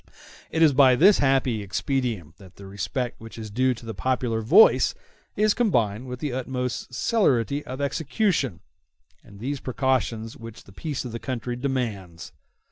It is by this happy expedient that the respect which is due to the popular voice is combined with the utmost celerity of execution and those precautions which the peace of the country demands.